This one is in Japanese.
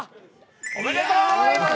おめでとうございます。